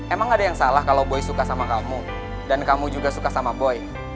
emang ada yang salah kalau boy suka sama kamu dan kamu juga suka sama boy